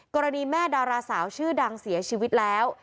กรณีแม่ดาราสาวชื่อดังเสียชีวิตแล้ว